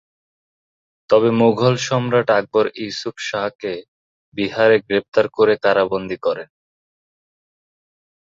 তবে মুঘল সম্রাট আকবর ইউসুফ শাহকে বিহারে গ্রেপ্তার করে কারাবন্দী করেন।